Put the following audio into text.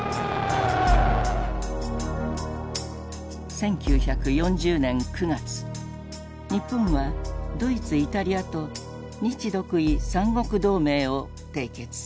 １９４０年９月日本はドイツイタリアと日独伊三国同盟を締結。